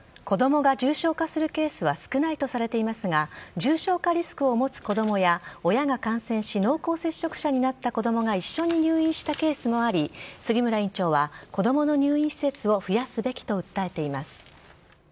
子どもが重症化するケースは少ないとされていますが、重症化リスクを持つ子どもや、親が感染し、濃厚接触者になった子どもが一緒に入院したケースもあり、杉村院長は子どもの入院施設を増やすべきと訴えています。